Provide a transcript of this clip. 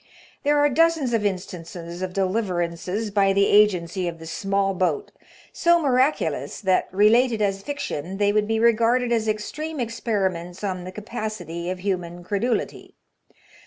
There are dozens of instances of deliverances by the agency of the small boat, so miraculous that, related as fiction, they would be regarded as extreme experiments on the capacity of human credulity.